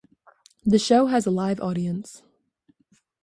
The show has a live audience.